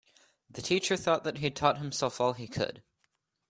The teacher thought that he'd taught himself all he could.